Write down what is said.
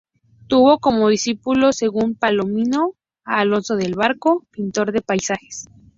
Tuvo como discípulo, según Palomino, a Alonso del Barco, pintor de paisajes.